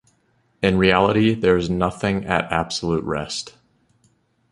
In reality, there is nothing at absolute rest.